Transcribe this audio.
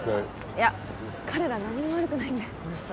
いや彼ら何も悪くないんでウソ